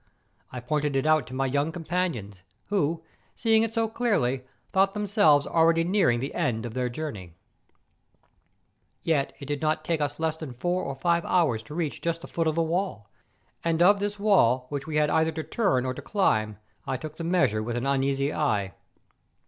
I pointed it out to my young companions, who, seeing it so clearly, thought them¬ selves already nearing the end of their journey. 130 MOUNTAIN ADVENTUEES. Yet it did not take us less than four or five hours to reach just the foot of the wall; and of this wall which we had either to turn or to climb, I took the measure with an uneasy eye.